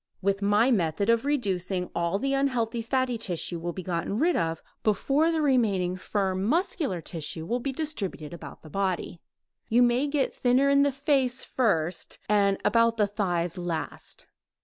With my method of reducing all of the unhealthy fatty tissue will be gotten rid of before the remaining firm muscular tissue will be distributed about the body. You may get thinner in the face first, and about the thighs last.